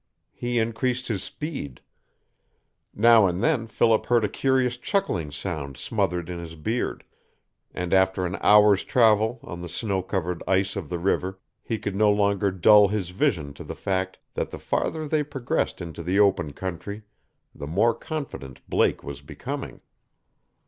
He increased his speed. Now and then Philip heard a curious chuckling sound smothered in his beard, and after an hour's travel on the snow covered ice of the river he could no longer dull his vision to the fact that the farther they progressed into the open country, the more confident Blake was becoming.